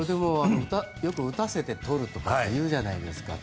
よく打たせて取るとかいうじゃないですか。